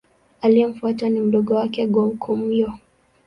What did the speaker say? Aliyemfuata ni mdogo wake Go-Komyo.